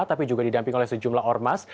tapi juga didamping oleh sejumlah ormas